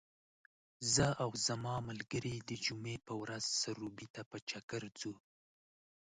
زه او زما ملګري د جمعې په ورځ سروبي ته په چکر ځو .